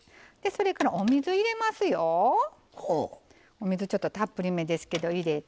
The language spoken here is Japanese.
お水ちょっとたっぷりめですけど入れて。